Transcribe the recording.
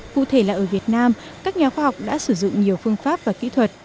cụ thể là ở việt nam các nhà khoa học đã sử dụng nhiều phương pháp và kỹ thuật